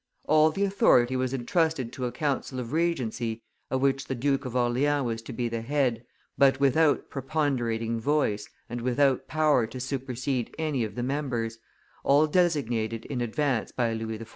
All the authority was intrusted to a council of regency of which the Duke of Orleans was to be the head, but without preponderating voice and without power to supersede any of the members, all designated in advance by Louis XIV.